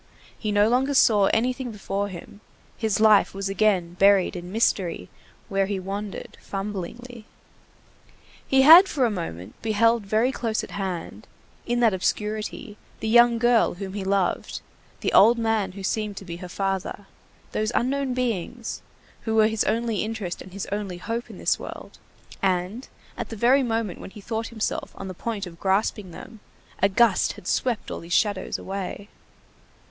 He no longer saw anything before him; his life was again buried in mystery where he wandered fumblingly. He had for a moment beheld very close at hand, in that obscurity, the young girl whom he loved, the old man who seemed to be her father, those unknown beings, who were his only interest and his only hope in this world; and, at the very moment when he thought himself on the point of grasping them, a gust had swept all these shadows away.